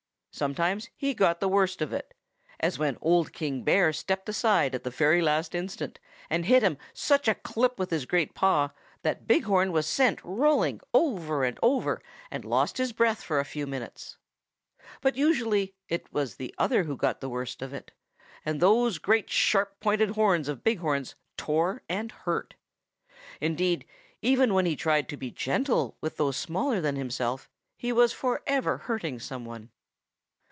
Sometimes he got the worst of it, as when Old King Bear stepped aside at the very last instant and hit him such a clip with his great paw that Big Horn was sent rolling over and over and lost his breath for a few minutes. But usually it was the other who got the worst of it, for those great, sharp pointed horns of Big Horn's tore and hurt. Indeed, even when he tried to be gentle with those smaller than himself he was forever hurting some one.